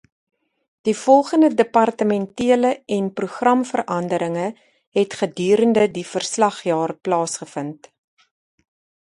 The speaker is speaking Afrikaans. Die volgende departementele en programveranderinge het gedurende die verslagjaar plaasgevind.